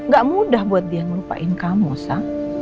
gak mudah buat dia ngelupain kamu sang